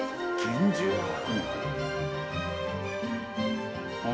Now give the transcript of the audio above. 「厳重だな」